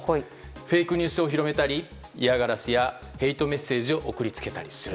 フェイクニュースを広げたり嫌がらせやヘイトメッセージを送り付けたりする。